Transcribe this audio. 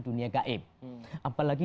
dunia gaib apalagi